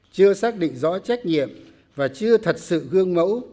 chưa xác định rõ trách nhiệm và chưa thật sự gương mẫu